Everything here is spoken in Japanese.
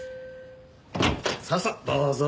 さあさあどうぞ。